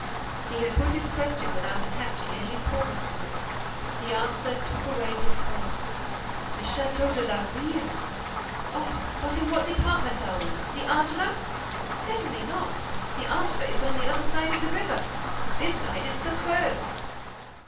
He had put his question without attaching any importance to it. The answer took away his breath: "The Château de l'Aiguille?—Oh!—But in what department are we? The Indre?" "Certainly not. The Indre is on the other side of the river. This side, it's the Creuse."